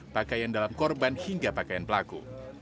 pakaian dalam korban hingga pakaian pelaku